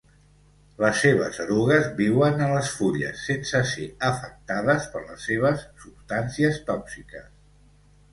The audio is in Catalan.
Les seves erugues viuen a les fulles sense ser afectades per les seves substàncies tòxiques.